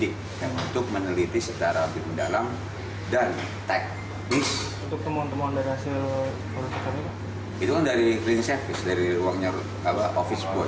itu kan dari klinis service dari ruangnya ofis boy